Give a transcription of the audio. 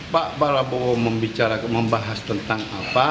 pak prabowo membahas tentang apa